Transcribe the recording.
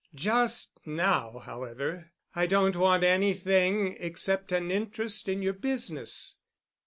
Just now, however, I don't want anything except an interest in your business.